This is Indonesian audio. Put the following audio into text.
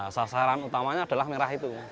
sasaran utamanya adalah merah itu